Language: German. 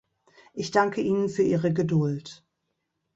Ich danke Ihnen für Ihre Geduld.